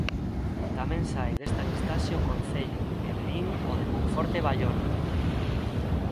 Tamén sae desta listaxe o concello e Verín o de Monforte e Baiona.